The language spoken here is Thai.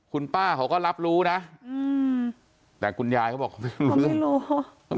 คุณป้าเขาก็รับรู้นะแต่คุณยายเขาบอกไม่รู้